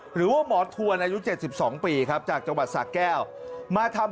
หรือว่าหมอทวนอายุ๗๒ปีครับจากจังหวัดสะแก้วมาทำ